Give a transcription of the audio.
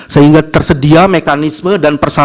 sehingga tersedia mekanisme dan persyaratan